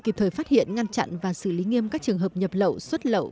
kịp thời phát hiện ngăn chặn và xử lý nghiêm các trường hợp nhập lậu xuất lậu